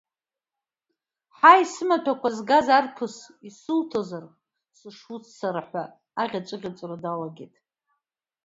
Ҳаи, сымаҭәақәа згаз арԥыс, исуҭозар сышуццара, ҳәа аӷьаҵәы-ӷьаҵәра далагеит.